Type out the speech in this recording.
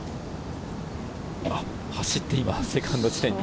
走ってセカンド地点に。